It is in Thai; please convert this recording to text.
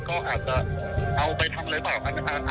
ก้องเขาไปดีดลาวหรือเปล่า